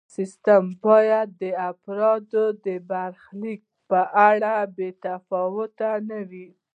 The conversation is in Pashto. سیستم باید د فرد د برخلیک په اړه بې تفاوت نه وي.